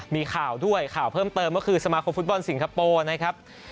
มีข่าวด้วยข่าวเพิ่มเติมก็คือสมาคมฟุตบอลสิงคโปร์นะครับ